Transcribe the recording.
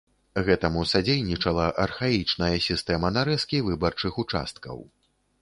Гэтаму садзейнічала архаічная сістэма нарэзкі выбарчых участкаў.